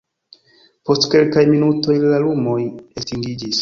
Post kelkaj minutoj, la lumoj estingiĝis.